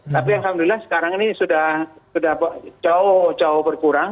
tapi alhamdulillah sekarang ini sudah jauh berkurang